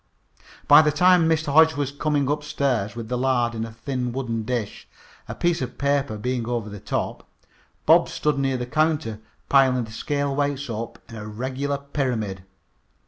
By this time Mr. Hodge was coming upstairs with the lard in a thin wooden dish, a piece of paper being over the top. Bob stood near the counter piling the scale weights up in a regular pyramid.